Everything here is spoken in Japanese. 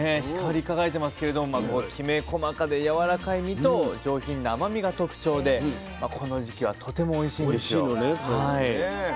光り輝いてますけれどもきめ細かでやわらかい身と上品な甘みが特徴でこの時期はとてもおいしいんですよ。